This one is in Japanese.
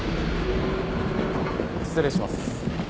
失礼します。